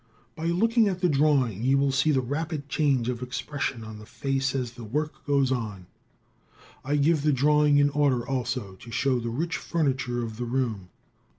By looking at the drawing you will see the rapid change of expression on the face as the work goes on. I give the drawing in order also, to show the rich furniture of the room.